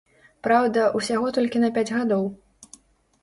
Праўда, усяго толькі на пяць гадоў.